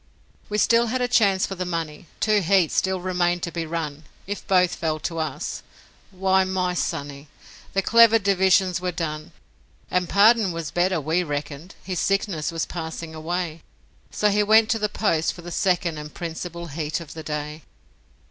We still had a chance for the money, Two heats still remained to be run; If both fell to us why, my sonny, The clever division were done. And Pardon was better, we reckoned, His sickness was passing away, So he went to the post for the second And principal heat of the day.